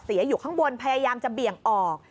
อยู่ข้างบนพยายามจะเบี่ยงออก